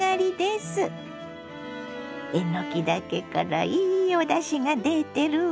えのきだけからいいおだしが出てるわ。